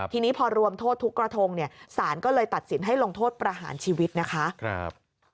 ทีนี้พอรวมโทษทุกกระทงเนี่ยสารก็เลยตัดสินให้ลงโทษประหารชีวิตนะคะ